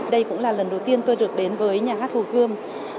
đây cũng là lần đầu tiên tôi được đến với nhà hát hồ gươm